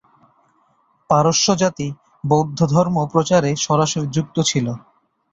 পারস্য জাতি বৌদ্ধ ধর্ম প্রচারে সরাসরি যুক্ত ছিল।